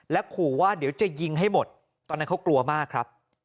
ขู่ว่าเดี๋ยวจะยิงให้หมดตอนนั้นเขากลัวมากครับ